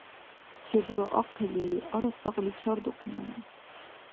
Чебла ахъили, ара-сагъли чардухъеная!